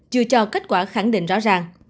chưa cho kết quả khẳng định rõ ràng